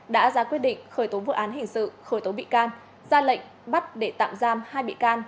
đã ra quyết định khởi tố vụ án hình sự khởi tố bị can ra lệnh bắt để tạm giam hai bị can